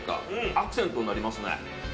アクセントになりますね。